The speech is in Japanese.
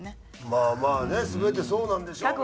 まあまあね全てそうなんでしょうけど。